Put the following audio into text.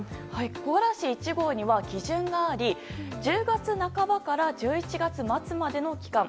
木枯らし１号には基準があり１０月半ばから１１月末までの期間